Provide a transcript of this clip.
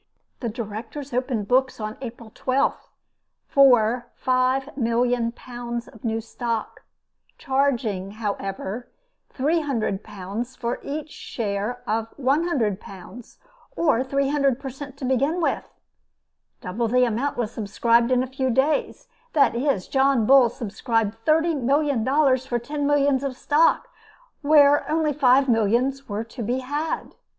The directors opened books on April 12th for £5,000,000 new stock, charging, however, £300 for each share of £100, or three hundred per cent. to begin with. Double the amount was subscribed in a few days; that is, John Bull subscribed thirty million dollars for ten millions of stock, where only five millions were to be had.